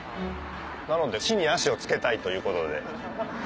なので地に足をつけたいということで。